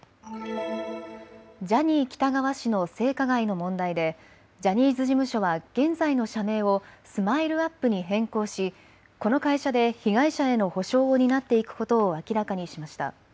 ジャニー喜多川氏の性加害の問題でジャニーズ事務所は現在の社名をＳＭＩＬＥ−ＵＰ．に変更し、この会社で被害者への補償を担っていくことを明らかにしました。